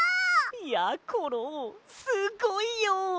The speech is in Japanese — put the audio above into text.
やころすごいよ！